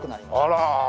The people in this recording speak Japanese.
あら。